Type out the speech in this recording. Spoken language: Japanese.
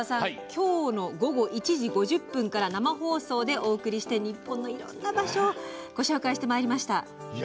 今日の午後１時５０分から生放送でお送りして日本のいろんな場所をご紹介してまいりました。